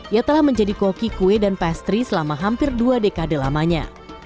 ia telah menjadi koki kue dan pastry selama hampir dua dekade lamanya